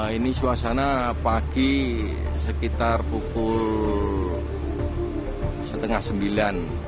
ini suasana pagi sekitar pukul setengah sembilan